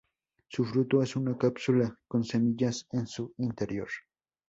Su fruto es una cápsula con semillas en su interior.